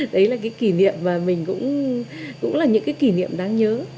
đấy là cái kỷ niệm và mình cũng là những cái kỷ niệm đáng nhớ